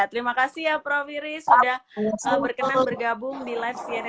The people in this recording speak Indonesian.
terima kasih ya prof iris sudah berkenan bergabung di live cnn indonesia